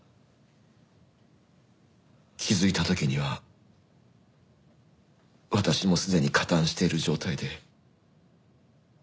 気づいた時には私もすでに加担している状態で。